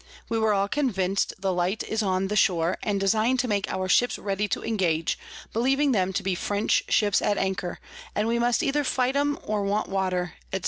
We are all convinc'd the Light is on the shore, and design to make our Ships ready to engage, believing them to be French Ships at anchor, and we must either fight 'em or want Water, _etc.